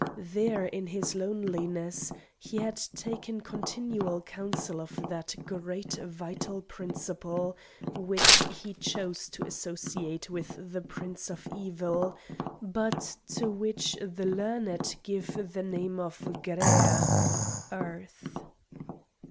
There in his loneliness he had taken continual counsel of that great vital principle which he chose to associate with the Prince of Evil, but to which the learned give the name of "Gæa" Earth.